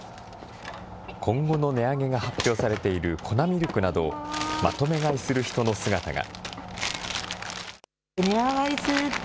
今後の値上げが発表されている粉ミルクなど、まとめ買いする人の姿が。